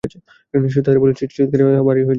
নিশ্চয়ই তাদের চিল-চিৎকারে বাতাস ভারি হয়ে যেত!